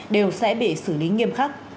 đều sẽ bị xử lý nghiêm khắc